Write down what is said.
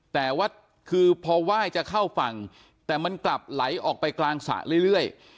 แต่ว่าคือพอไหว้จะเข้าฝั่งแต่มันกลับไหลออกไปกลางสระเรื่อย